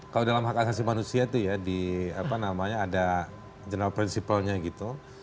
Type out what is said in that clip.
kalau dalam hak asasi manusia tuh ya di apa namanya ada general principlenya gitu